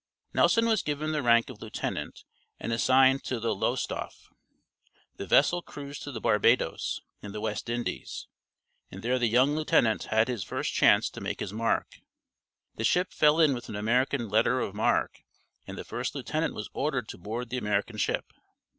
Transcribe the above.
Nelson was given the rank of lieutenant and assigned to the Lowestoffe. The vessel cruised to the Barbadoes, in the West Indies, and there the young lieutenant had his first chance to make his mark. The ship fell in with an American letter of marque, and the first lieutenant was ordered to board the American ship.